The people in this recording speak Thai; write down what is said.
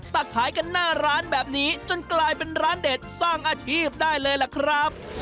ตักขายกันหน้าร้านแบบนี้จนกลายเป็นร้านเด็ดสร้างอาชีพได้เลยล่ะครับ